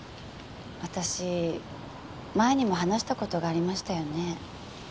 私前にも話した事がありましたよね。